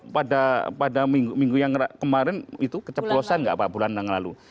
pada minggu minggu yang kemarin itu keceplosan nggak pak bulan yang lalu